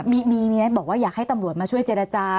มีไหมบอกว่าอยากให้ตำรวจมาช่วยเจรจา